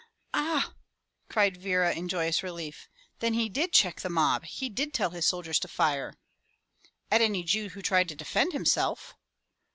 "Ah!" cried Vera in joyous relief. "Then he did check the mob. He did tell his soldiers to fire!" "At any Jew who tried to defend himself!"